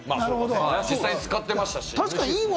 実際使ってましたし。